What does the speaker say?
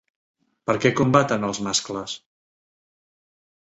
Per què combaten els mascles?